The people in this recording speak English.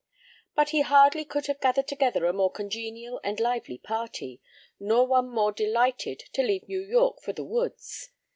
But he hardly could have gathered together a more congenial and lively party, nor one more delighted to leave New York for the woods.